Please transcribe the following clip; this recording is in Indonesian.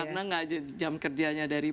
karena nggak ada jam kerjanya dari